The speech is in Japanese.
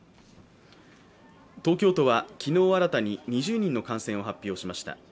東京都は昨日、新たに２０人の感染を発表しました。